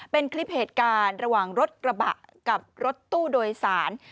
เป็นคลิปเหตุการณ์ระหว่างรถกระบะกับรถตู้โดยสาร